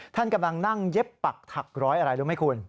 ท่านกำลังนั่งเย็บปักถักร้อยอะไรรู้ไหมคุณ